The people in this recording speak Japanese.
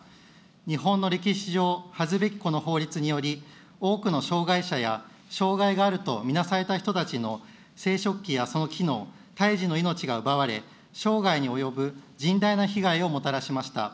日本の歴史上、恥ずべきこの法律により、多くの障害者や障害があると見なされた人たちの生殖器やその機能、胎児の命が奪われ、生涯に及ぶ甚大な被害をもたらしました。